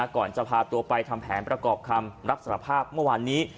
ก่อนจะพาตัวไปทำแผนประกอบคำรับสารภาพเมื่อวานนี้